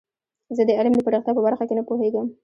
زه د علم د پراختیا په برخه کې نه پوهیږم.